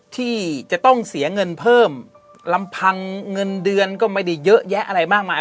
ที่จะต้องเสียเงินเพิ่มลำพังเงินเดือนก็ไม่ได้เยอะแยะอะไรมากมาย